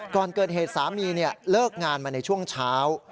ก่อนเกิดเหตุสามีเลิกงานมาในช่วงเช้า